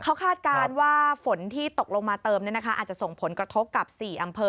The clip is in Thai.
เขาคาดการณ์ว่าฝนที่ตกลงมาเติมอาจจะส่งผลกระทบกับ๔อำเภอ